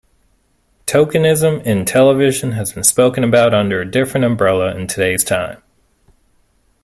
Tokenism in television has been spoken about under a different umbrella in today's time.